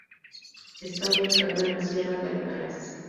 Está ubicada en la Sierra de Alcaraz.